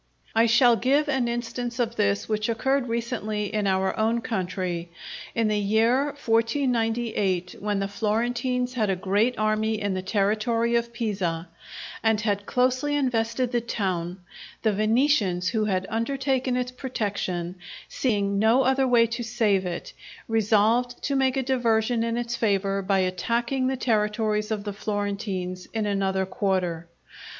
I shall give an instance of this which occurred recently in our own country. In the year 1498, when the Florentines had a great army in the territory of Pisa and had closely invested the town, the Venetians, who had undertaken its protection, seeing no other way to save it, resolved to make a diversion in its favour by attacking the territories of the Florentines in another quarter.